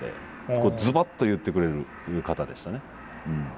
こうズバッと言ってくれる方でしたね。